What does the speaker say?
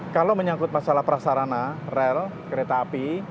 kalau menyangkut masalah prasarana rel kereta api